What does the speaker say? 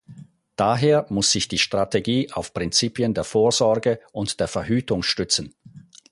Daher muss sich die Strategie auf Prinzipien der Vorsorge und der Verhütung stützen.